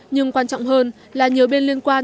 nhưng quan trọng hơn là nhiều bên liên quan